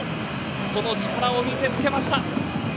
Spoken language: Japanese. その力を見せつけました。